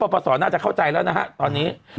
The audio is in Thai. ปศน่าจะเข้าใจแล้วนะฮะตอนนี้